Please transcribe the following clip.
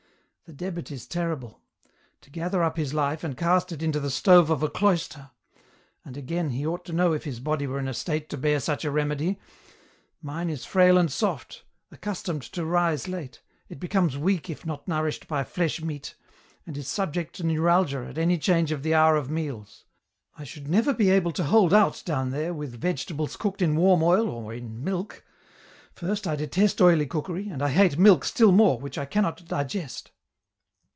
" The debit is terrible. To gather up his life, and cast it into the stove ot a cloister ; and again, he ought to know if his body were in a state to bear such a remedy ; mine is frail and soft, accustomed to rise late ; it becomes weak if not nourished by flesh meat, and is subject to neuralgia at any change of the hour of meals. I should never be able to hold out down there with vegetables cooked in warm oil or in milk ; first I detest oily cookery, and I hate milk still more, which I cannot digest.